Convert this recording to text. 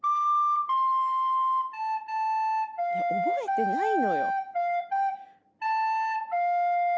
覚えてないのよ。